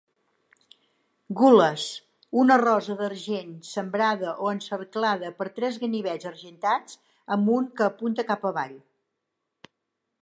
Gules, una rosa d'argent sembrada o encerclada per tres ganivets argentats amb un que apunta cap avall.